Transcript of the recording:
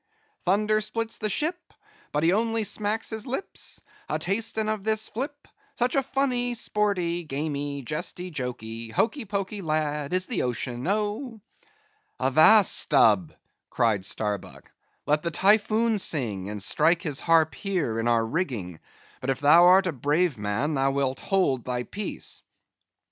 Thunder splits the ships, But he only smacks his lips, A tastin' of this flip,— Such a funny, sporty, gamy, jesty, joky, hoky poky lad, is the Ocean, oh! "Avast Stubb," cried Starbuck, "let the Typhoon sing, and strike his harp here in our rigging; but if thou art a brave man thou wilt hold thy peace."